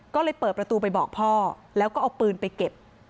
ก็เลยเปิดประตูไปบอกพ่อแล้วก็เอาปืนไปเก็บ